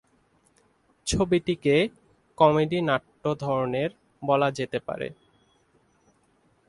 ছবিটিকে কমেডি নাট্য ধরনের বলা যেতে পারে।